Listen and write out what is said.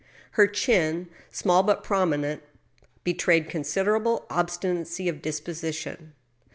Her chin» small but prominent, betrayed considerable obstinacy of dis position.